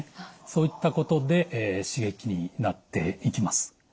そういったことで刺激になっていきます。